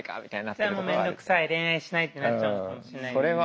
じゃもうめんどくさい恋愛しないってなっちゃうのかもしれない。